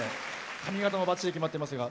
髪形もばっちり決まってますが。